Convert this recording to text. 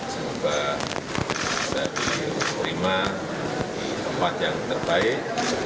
sehingga bisa diperima di tempat yang terbaik